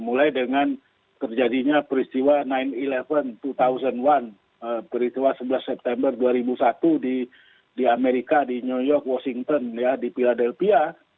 mulai dengan terjadinya peristiwa sembilan sebelas dua ribu satu peristiwa sebelas september dua ribu satu di amerika di new york washington di philadelphia